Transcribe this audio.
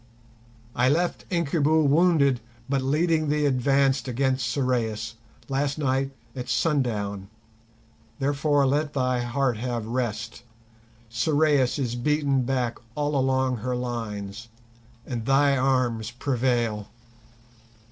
"I left Incubu wounded, but leading the advance against Sorais last night at sundown; therefore let thy heart have rest. Sorais is beaten back all along her lines, and thy arms prevail."